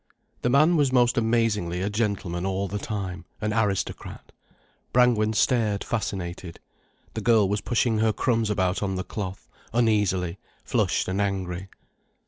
The man was most amazingly a gentleman all the time, an aristocrat. Brangwen stared fascinated. The girl was pushing her crumbs about on the cloth, uneasily, flushed and angry.